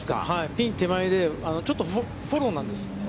ピン手前でちょっとフォローなんです。